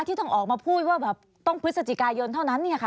ที่ต้องออกมาพูดว่าแบบต้องพฤศจิกายนเท่านั้นเนี่ยค่ะ